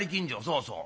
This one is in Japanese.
「そうそう。